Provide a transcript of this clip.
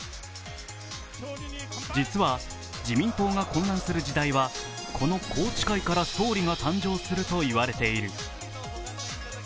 実は自民党が混乱する時代は、この宏池会から総理が誕生すると言われている。